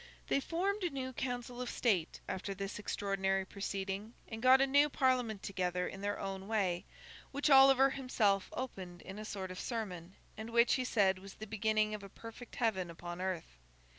They formed a new Council of State after this extraordinary proceeding, and got a new Parliament together in their own way: which Oliver himself opened in a sort of sermon, and which he said was the beginning of a perfect heaven upon earth.